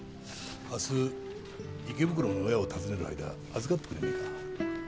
明日池袋の親を訪ねる間預かってくれねえか。